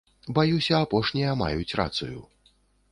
Баюся, апошнія маюць рацыю.